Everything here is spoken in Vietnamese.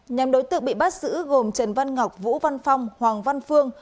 nhằm đối tượng bị bắt giữ gồm trần văn ngọc vũ văn phong hoàng văn phương